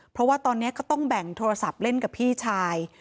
เพราะว่าตอนนี้ก็ต้องแบ่งโทรศัพท์เล่นกับพี่ชาย